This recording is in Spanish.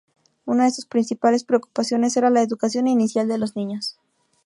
Una de sus principales preocupaciones era la educación inicial de los niños.